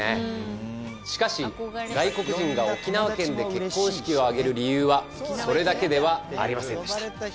しかし外国人が沖縄県で結婚式を挙げる理由はそれだけではありませんでした。